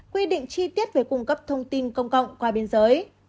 quy định chi tiết về cung cấp thông tin công cộng qua biên giới